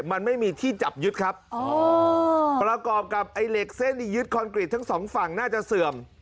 มันไม่มีที่จับยึดครับอ๋อประกอบกับไอ้เหล็กเส้นที่ยึดคอนกรีตทั้งสองฝั่งน่าจะเสื่อม